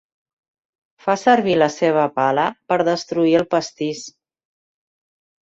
Fa servir la seva pala per destruir el pastís.